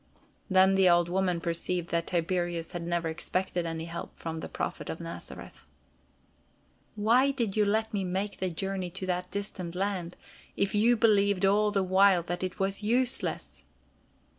Then the old woman perceived that Tiberius had never expected any help from the Prophet of Nazareth. "Why did you let me make the journey to that distant land, if you believed all the while that it was useless?"